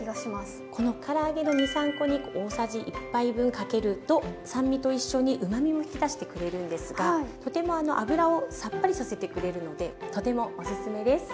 このから揚げの２３コに大さじ１杯分かけると酸味と一緒にうまみも引き出してくれるんですがとても油をさっぱりさせてくれるのでとてもおすすめです。